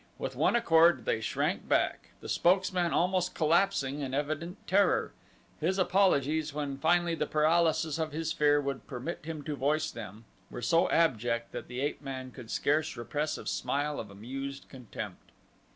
With one accord they shrank back, the spokesman almost collapsing in evident terror. His apologies, when finally the paralysis of his fear would permit him to voice them, were so abject that the ape man could scarce repress a smile of amused contempt.